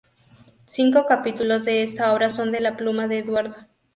Cinco capítulos de esta obra son de la pluma de Eduardo.